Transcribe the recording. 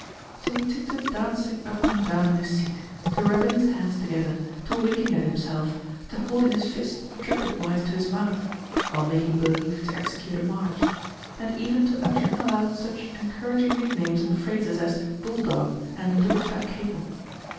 So he took to dancing up and down in his seat, to rubbing his hands together, to winking at himself, to holding his fist, trumpet wise, to his mouth (while making believe to execute a march), and even to uttering aloud such encouraging nicknames and phrases as "bulldog" and "little fat capon."